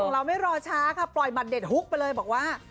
เราไม่รอช้าค่ะปล่อยบัตรเด็ดฮุกไปเลยบอกว่า